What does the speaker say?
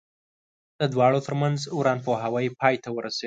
د دواړو ترمنځ ورانپوهاوی پای ته ورسېد.